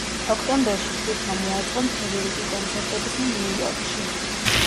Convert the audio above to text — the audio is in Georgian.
ოქტომბერში ჯგუფმა მოაწყო მთელი რიგი კონცერტებისა ნიუ იორკში.